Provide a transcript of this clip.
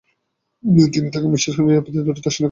তিনি তাঁকে মিশর থেকে নিরাপদ দূরত্বে হিসনে কাইফায় রেখেছিলেন।